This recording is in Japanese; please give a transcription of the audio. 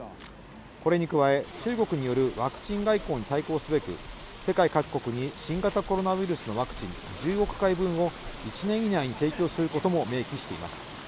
これに加え、中国によるワクチン外交に対抗すべく世界各国に新型コロナウイルスのワクチン１０億回分を１年以内に提供することも明記しています。